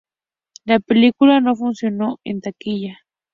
La película no funcionó en taquilla.